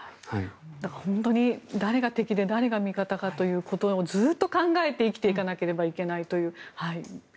本当に、誰が敵で誰が味方かということをずっと考えて生きていかなければいけないという。